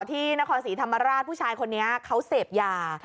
ที่นครศรีธรรมราชผู้ชายคนนี้เขาเสพยา